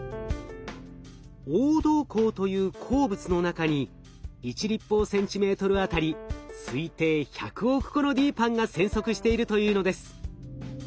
黄銅鉱という鉱物の中に１立方センチメートルあたり推定１００億個のＤＰＡＮＮが生息しているというのです。